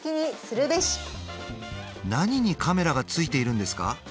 何にカメラが付いているんですか？